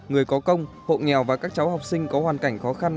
người có công hộ nghèo và các cháu học sinh có hoàn cảnh khó khăn